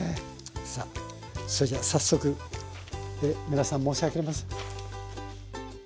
さあそれじゃあ早速皆さん申し訳ありません。